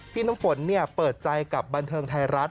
พี่น้ำฝนเปิดใจกับบันเทิงไทยรัฐ